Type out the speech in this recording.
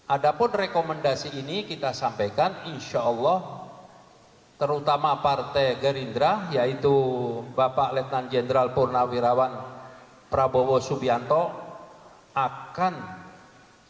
adapun rekomendasi ini kita sampaikan insyaallah terutama partai gerindra yaitu bapak letnan jenderal purnawirawan prabowo subianto akan mendengar